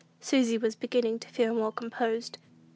Susy was beginning to feel more composed.